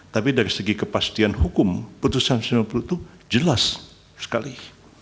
tapi dari segi kepastian hukum putusan sembilan puluh itu jelas sekali